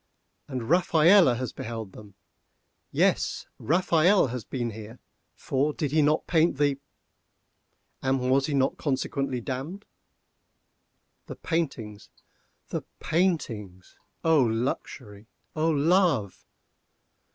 And Rafaelle has beheld them! Yes, Rafaelle has been here, for did he not paint the—? and was he not consequently damned? The paintings—the paintings! O luxury! O love!